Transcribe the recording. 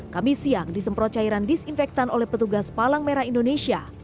kami siang disemprot cairan disinfektan oleh petugas palang merah indonesia